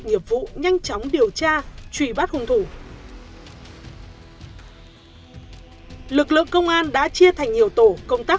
nghiệp vụ nhanh chóng điều tra truy bắt hung thủ lực lượng công an đã chia thành nhiều tổ công tác